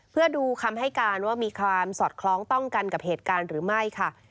เพื่อดูคำให้การว่ามีความสอดคล้องต้องกันกับเหตุการณ์หรือไม่ค่ะ